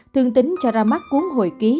thương tính cho ra mắt cuốn hồi ký